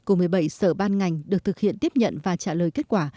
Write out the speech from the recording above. của một mươi bảy sở ban ngành được thực hiện tiếp nhận và trả lời kết quả